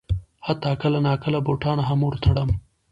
حتی کله ناکله بوټان هم ور تړم.